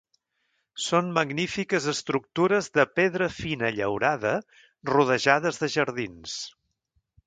Són magnífiques estructures de pedra fina llaurada, rodejades de jardins.